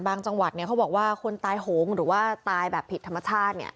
บางจังหวัดเขาบอกว่าคนตายโหงหรือว่าตายแบบผิดธรรมชาติ